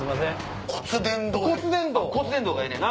骨伝導がええねんな。